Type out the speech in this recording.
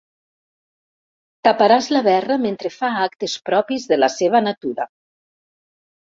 Taparàs la verra mentre fa actes propis de la seva natura.